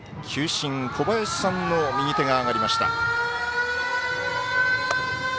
球審、小林さんの右手が上がりました。